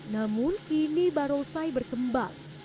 namun kini barongsai berkembang